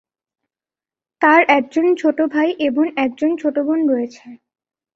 তার একজন ছোট ভাই এবং একজন ছোট বোন রয়েছে।